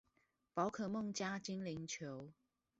寶可夢加精靈球